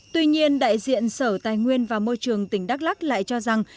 tuy nhiên đại diện sở tài nguyên và môi trường tỉnh đắk lắc lại cho rằng